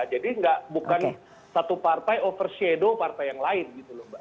jadi bukan satu partai overshadow partai yang lain gitu loh mbak